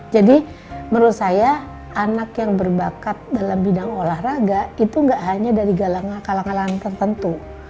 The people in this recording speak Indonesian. jadi menurut saya anak yang berbakat dalam bidang olahraga itu nggak hanya dari kalangan tertentu